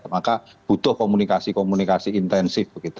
maka butuh komunikasi komunikasi intensif